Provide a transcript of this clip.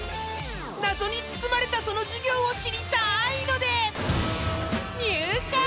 ［謎に包まれたその授業を知りたいので入会！］